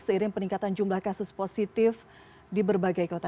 seiring peningkatan jumlah kasus positif di berbagai kota